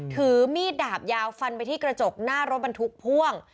ถือมีดดาบยาวฟันไปที่กระจกหน้ารถบรรทุกพ่วง